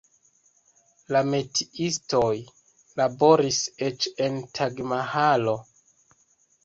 La metiistoj laboris eĉ en Taĝ-Mahalo.